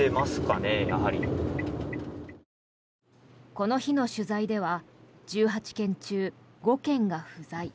この日の取材では１８件中５件が不在。